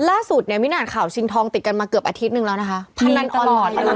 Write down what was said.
ล่าสุดมินาทข่าวชินทองติดกันมาเกือบอาทิตย์นึงแล้วนะคะ